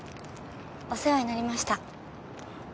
お世話になりました。